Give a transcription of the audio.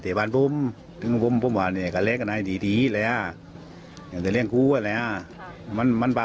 ถามลูกชายแล้วนะครับ